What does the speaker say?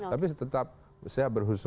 tapi tetap saya berhusu